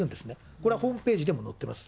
これはホームページでも載ってます。